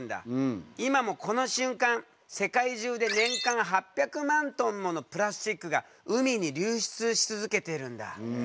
今もこの瞬間世界中で年間８００万トンものプラスチックが海に流出し続けてるんだ。